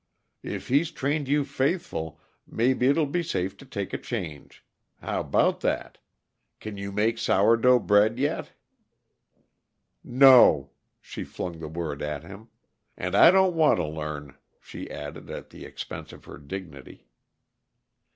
If he's trained you faithful, maybe it'll be safe to take a change. How about that? Can you make sour dough bread yet?" "No!" she flung the word at him. "And I don't want to learn," she added, at the expense of her dignity.